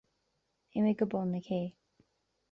Imigh go bun na cé.